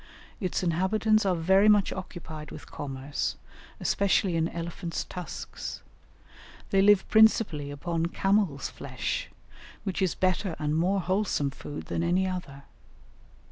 Its inhabitants are very much occupied with commerce, especially in elephants' tusks. They live principally upon camels' flesh, which is better and more wholesome food than any other.